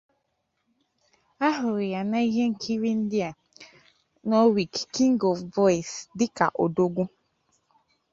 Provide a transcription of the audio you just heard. A hụrụ ya na ihe nkiri ndịa: "King of Boys" dịka Odogwu.